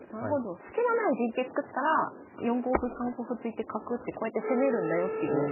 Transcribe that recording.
スキのない陣形作ったら４五歩３五歩突いて角打ってこうやって攻めるんだよっていうのを。